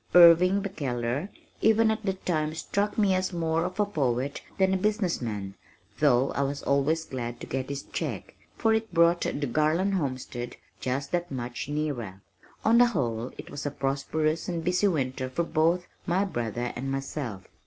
Irving Bacheller, even at that time struck me as more of a poet than a business man, though I was always glad to get his check, for it brought the Garland Homestead just that much nearer. On the whole it was a prosperous and busy winter for both my brother and myself.